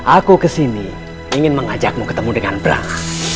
aku ke sini ingin mengajakmu ketemu dengan brangah